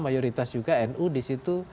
mayoritas juga nu di situ